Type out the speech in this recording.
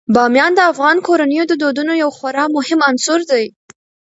بامیان د افغان کورنیو د دودونو یو خورا مهم عنصر دی.